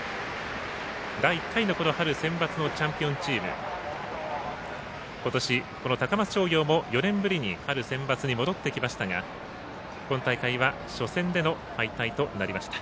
第１回の春センバツのチャンピオンチーム今年、この高松商業も４年ぶりに春センバツに戻ってきましたが今大会は初戦での敗退となりました。